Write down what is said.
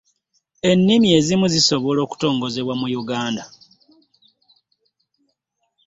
Ennimi ezimu zisobola okutongozebwa mu Uganda.